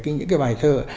những cái bài thơ